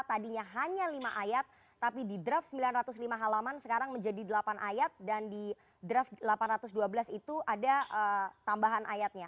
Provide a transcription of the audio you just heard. tadinya hanya lima ayat tapi di draft sembilan ratus lima halaman sekarang menjadi delapan ayat dan di draft delapan ratus dua belas itu ada tambahan ayatnya